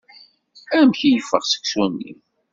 Amek i d-yeffeɣ seksu-nni?